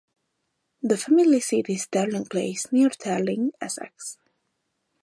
The family seat is Terling Place, near Terling, Essex.